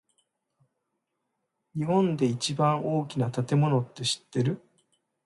日本で一番大きな建物って知ってる？